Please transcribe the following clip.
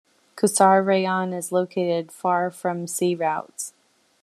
Qusar rayon is located far from sea routes.